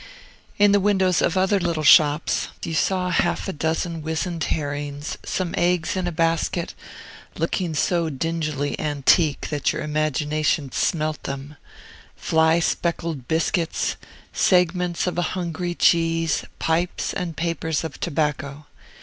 In the windows of other little shops you saw half a dozen wizened herrings, some eggs in a basket, looking so dingily antique that your imagination smelt them, fly speckled biscuits, segments of a hungry cheese, pipes and papers of tobacco.